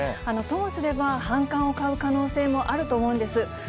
ともすれば、反感を買う可能性もあると思うんです。